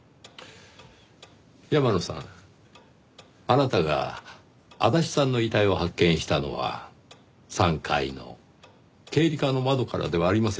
山野さんあなたが足立さんの遺体を発見したのは３階の経理課の窓からではありませんね？